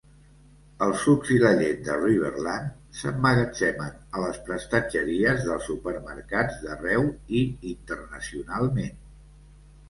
Els sucs i la llet de Riverland s'emmagatzemen a les prestatgeries dels supermercats d'arreu i internacionalment.